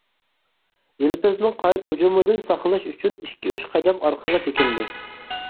يىلپىزنىڭ قايتا ھۇجۇمىدىن ساقلىنىش ئۈچۈن ئىككى-ئۈچ قەدەم ئارقىغا چېكىندى.